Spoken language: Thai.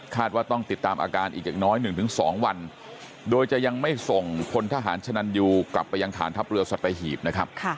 ว่าต้องติดตามอาการอีกอย่างน้อย๑๒วันโดยจะยังไม่ส่งพลทหารชนันยูกลับไปยังฐานทัพเรือสัตหีบนะครับ